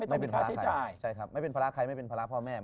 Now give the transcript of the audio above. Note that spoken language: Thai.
ไม่เป็นพมมก็จะไม่ควรเข้าใช้จ่าย